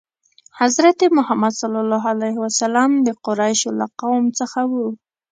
حضرت محمد ﷺ د قریشو له قوم څخه و.